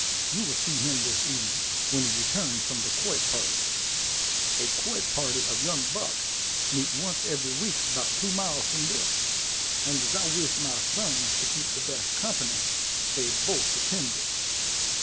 You will see him this evening, when he returns from the quoit party. A quoit party of young bucks meet once every week about two miles from this, and as I wish my sons to keep the best company, they both attend it.